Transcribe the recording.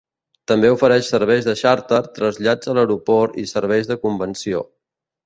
També ofereix serveis de xàrter, trasllats a l'aeroport i serveis de convenció.